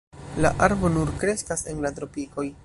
La arbo nur kreskas en la tropikoj.